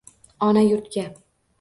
Ona yurtga